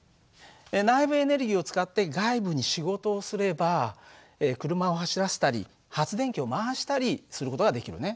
内部エネルギーを使って外部に仕事をすれば車を走らせたり発電機を回したりする事ができるね。